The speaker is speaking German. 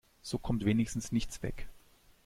So kommt wenigstens nichts weg.